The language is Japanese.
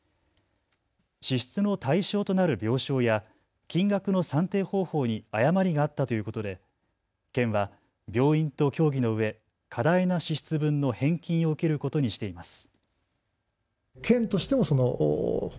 支出の対象となる病床や金額の算定方法に誤りがあったということで県は病院と協議のうえ過大な支出分の返金を受けることにしています。